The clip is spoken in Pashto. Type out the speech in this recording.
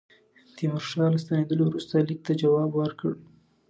تیمورشاه له ستنېدلو وروسته لیک ته جواب ورکړ.